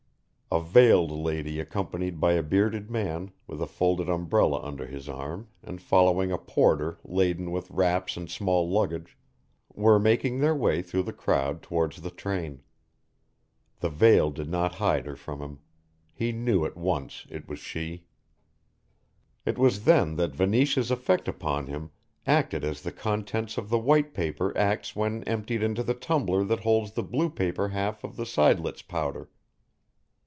A veiled lady accompanied by a bearded man, with a folded umbrella under his arm and following a porter laden with wraps and small luggage, were making their way through the crowd towards the train. The veil did not hide her from him. He knew at once it was she. It was then that Venetia's effect upon him acted as the contents of the white paper acts when emptied into the tumbler that holds the blue paper half of the seidlitz powder.